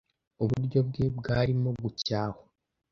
uburyo bwe bwarimo gucyahwa